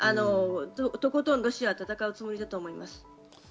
とことんロシアは戦うつもりだと思います。